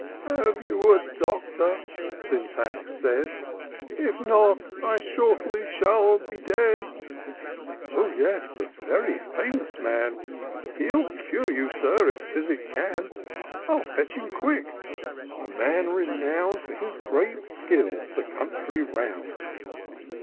" Have you a doctor?" Syntax said; " If not, I shortly shall be dead." " O yes ; a very famous man ; He'll cure you, Sir, if physic can : I'll fetch him quick ;— a man renown'd For his great skill the country round."